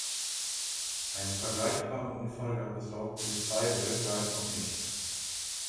Einen vergleichbaren Unfall gab es laut Polizei weltweit noch nicht.